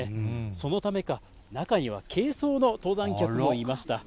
そのためか、中には軽装の登山客もいました。